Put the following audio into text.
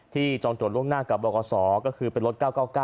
จองตรวจล่วงหน้ากับบกศก็คือเป็นรถ๙๙๙